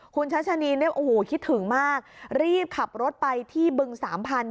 คุณชัชนีเนี่ยโอ้โหคิดถึงมากรีบขับรถไปที่บึงสามพันธ